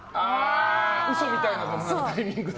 嘘みたいなタイミングで。